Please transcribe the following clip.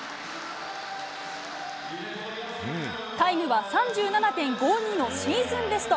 タイムは３７．５２のシーズンベスト。